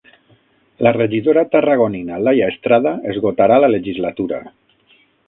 La regidora tarragonina Laia Estrada esgotarà la legislatura.